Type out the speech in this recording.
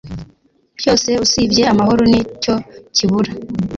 Byose usibye amahoro ni cyo kibura.